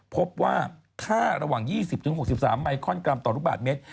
พบว่าค่าระหว่าง๒๐๖๓ไมคอนกรัมต่อลูกบาทเมตร